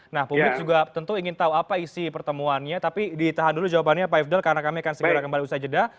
nah publik juga tentu ingin tahu apa isi pertemuannya tapi ditahan dulu jawabannya pak ifdal karena kami akan segera kembali usai jeda